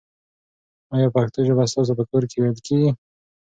آیا پښتو ژبه ستاسو په کور کې ویل کېږي؟